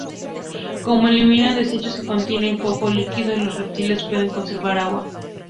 Como eliminan desechos que contienen poco líquido, los reptiles pueden conservar agua.